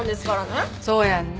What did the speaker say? そうやんね。